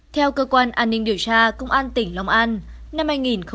theo cơ quan an ninh điều tra công an tỉnh long an năm hai nghìn một mươi ba